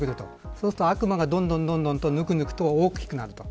そうすると悪魔がどんどんとぬくぬくと大きくなると。